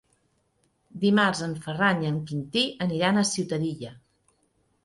Dimarts en Ferran i en Quintí aniran a Ciutadilla.